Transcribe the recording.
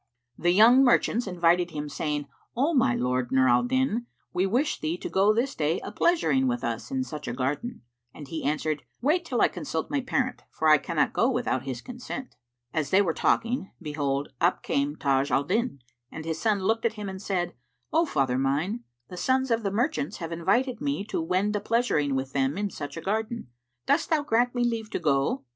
'"[FN#378] The young merchants invited him saying, "O my lord Nur al Din, we wish thee to go this day a pleasuring with us in such a garden." And he answered, "Wait till I consult my parent, for I cannot go without his consent." As they were talking, behold, up came Taj al Din, and his son looked at him and said, "O father mine, the sons of the merchants have invited me to wend a pleasuring with them in such a garden. Dost thou grant me leave to go?"